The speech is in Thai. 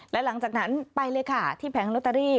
แล้วหลังจากนั้นไปเลยค่ะที่แผงโนตรี